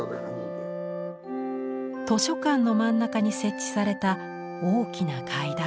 図書館の真ん中に設置された大きな階段。